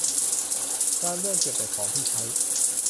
การเลือกเก็บแต่ของที่ใช้